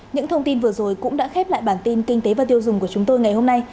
những thông tin vừa rồi cũng đã khép lại bản tin kinh tế và tiêu dùng của chúng tôi ngày hôm nay